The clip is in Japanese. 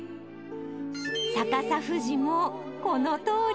逆さ富士もこのとおり。